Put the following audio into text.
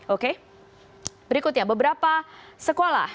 oke berikutnya beberapa sekolah